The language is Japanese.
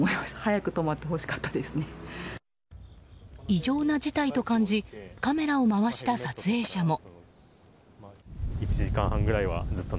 異常な事態と感じカメラを回した撮影者も。